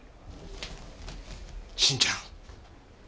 晋ちゃん。